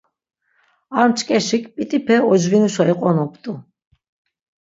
Ar mç̆k̆eşik p̆it̆ipe ocvinuşa iqonop̆t̆u.